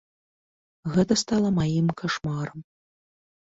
Гэта стала маім кашмарам.